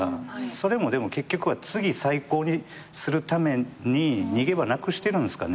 それもでも結局は次最高にするために逃げ場なくしてるんすかね？